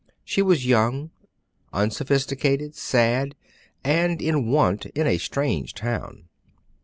She was young, unsophisticated, sad, and in want in a strange town.